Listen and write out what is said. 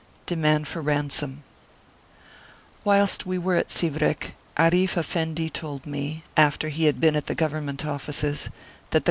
DEMAND FOR RANSOM. Whilst we were at Sivrek, Aarif Effendi told me after he had been at the Government offices that the.